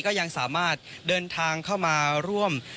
ก็ยังสามารถเดินทางเข้ามาร่วม